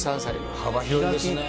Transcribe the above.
幅広いですね。